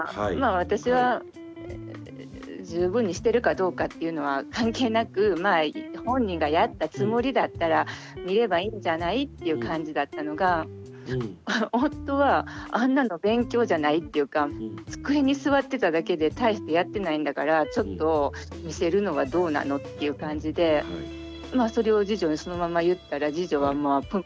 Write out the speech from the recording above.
私は十分にしてるかどうかっていうのは関係なくまあ本人がやったつもりだったら見ればいいんじゃないっていう感じだったのが夫はあんなの勉強じゃないっていうか机に座ってただけで大してやってないんだからちょっと見せるのはどうなのっていう感じでまあそれを次女にそのまま言ったら次女はプンプン怒って。